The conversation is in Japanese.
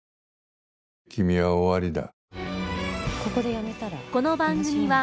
君は終わりだ。